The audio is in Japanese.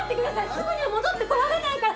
すぐには戻って来られないから！